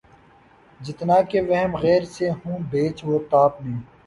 جتنا کہ وہمِ غیر سے ہوں پیچ و تاب میں